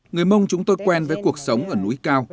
người mông chúng tôi quen với cuộc sống ở núi cao